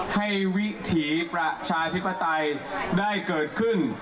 วิถีประชาธิปไตยได้เกิดขึ้น